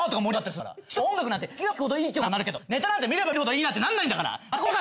しかも音楽なんて聴けば聴くほどいい曲だなとかなるけどネタなんて見れば見るほどいいなってなんないんだから！